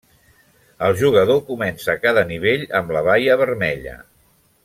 El jugador comença cada nivell amb la baia vermella.